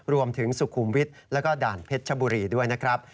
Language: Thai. รวมถึงสุขุมวิทย์แล้วก็ด่านเพชรชบุรีด้วยนะครับ